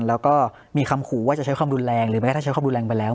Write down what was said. แล้วก็มีคำขูว่าจะใช้ความดูแลงหรือแม้ใช้ความดูแลงไปแล้ว